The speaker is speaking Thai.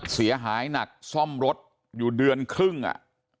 เสียหายหนักซ่อมรถอยู่เดือนครึ่งอ่ะ